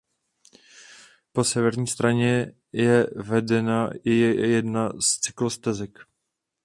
Po severní straně je vedena i jedna z cyklostezek.